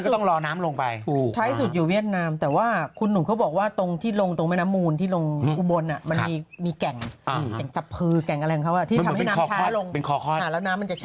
ตอนนั้นก็ต้องรอน้ำลงไปใช่ครับ